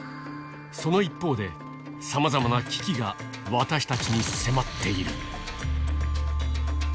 その一方で、さまざまな危機が、私たちに迫っている。